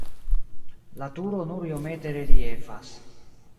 La turo nur iomete reliefas.